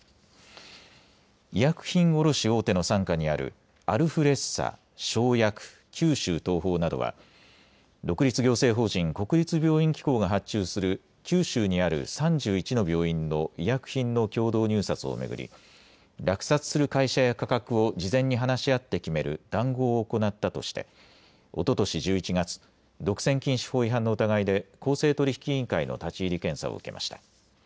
医薬品卸大手の傘下にあるアルフレッサ、翔薬、九州東邦などは独立行政法人国立病院機構が発注する九州にある３１の病院の医薬品の共同入札を巡り落札する会社や価格を事前に話し合って決める談合を行ったとしておととし１１月、独占禁止法違反の疑いで公正取引委員会の立ち入り検査を受けました。